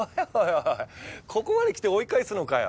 おいここまで来て追い返すのかよ？